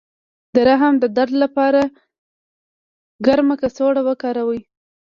د رحم د درد لپاره ګرمه کڅوړه وکاروئ